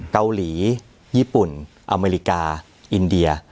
เกาหลีญี่ปุ่นอเมริกาอินเดีย